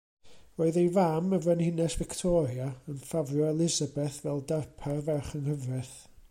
Roedd ei fam, y Frenhines Victoria, yn ffafrio Elisabeth fel darpar ferch-yng-nghyfraith.